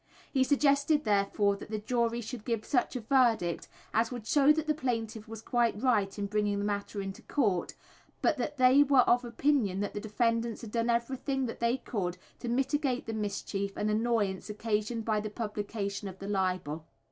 He suggested, therefore, that the jury should give such a verdict as would show that the plaintiff was quite right in bringing the matter into court, but that they were of opinion that the defendants had done everything that they could to mitigate the mischief and annoyance occasioned by the publication of the libel.